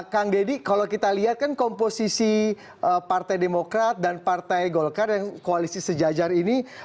kang deddy kalau kita lihat kan komposisi partai demokrat dan partai golkar yang koalisi sejajar ini